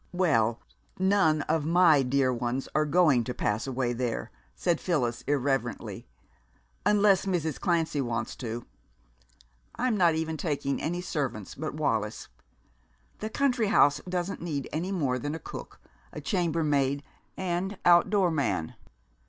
"Well, none of my dear ones are going to pass away there," said Phyllis irreverently, "unless Mrs. Clancy wants to. I'm not even taking any servants but Wallis. The country house doesn't need any more than a cook, a chambermaid, and outdoor man.